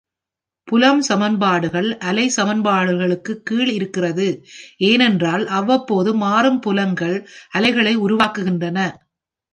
புலம் சமன்பாடுகள் அலை சமன்பாடுகளுக்குக் கீழ் இருக்கிறது, ஏனென்றால் அவ்வப்போது மாறும் புலங்கள் அலைகளை உருவாக்குகின்றன.